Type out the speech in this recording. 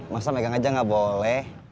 masa megang aja nggak boleh